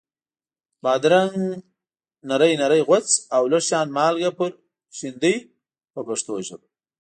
بادرنګ نري نري غوڅ او لږ شان مالګه پرې شیندئ په پښتو ژبه.